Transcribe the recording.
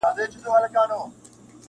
له خوږو او له ترخو نه دي جارېږم.